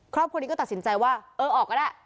ครอบครัวนี้ก็ตัดสินใจว่าเออออกก็ได้